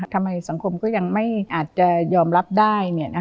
ทำไมสังคมก็ยังไม่อาจจะยอมรับได้